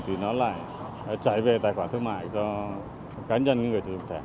thì nó lại chạy về tài khoản thương mại cho cá nhân người sử dụng thẻ